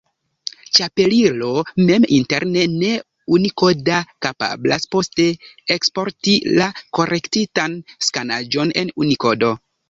Ĉapelilo, mem interne ne-unikoda, kapablas poste eksporti la korektitan skanaĵon en Unikodo.